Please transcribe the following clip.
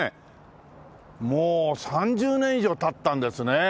もう３０年以上経ったんですね。